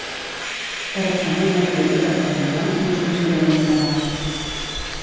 Per això el mercuri, per exemple, no es considera un mineral.